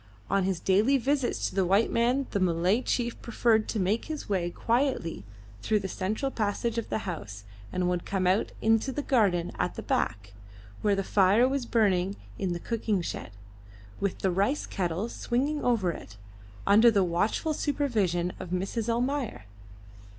On his daily visits to the white man the Malay chief preferred to make his way quietly through the central passage of the house, and would come out into the garden at the back, where the fire was burning in the cooking shed, with the rice kettle swinging over it, under the watchful supervision of Mrs. Almayer.